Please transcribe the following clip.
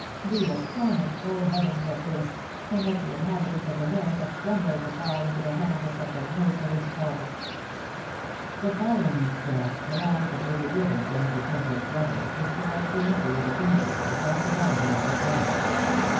Be astonished, O heavens, at this, and let the inhabitants of America tremble to fall into the hands of such a merciless foe." The following extract, the last that will be given from Mrs. Winthrop's letters, describes the entry into Cambridge of the captive army of Burgoyne.